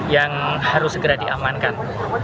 yang harus segera diamankan